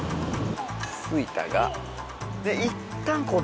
着いたが。